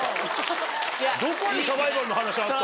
どこにサバイバルの話あった？